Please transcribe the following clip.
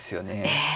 ええ。